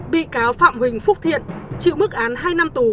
bị cáo phạm huỳnh phúc thiện chịu mức án hai năm tù